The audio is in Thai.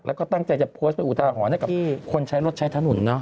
แล้วก็ตั้งใจจะโพสต์เป็นอุทาหรณ์ให้กับคนใช้รถใช้ถนน